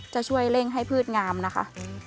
จะช่วยเร่งให้พืชงามนะคะ